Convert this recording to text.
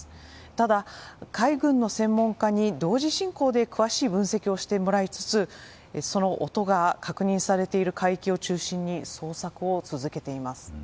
ただ、海軍の専門家に同時進行で詳しい分析をしてもらいつつ音が確認されている海域を中心に捜索を続けています。